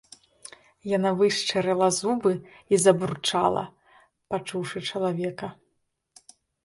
Яна вышчарыла зубы і забурчала, пачуўшы чалавека.